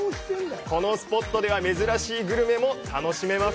このスポットでは珍しいグルメも楽しめます。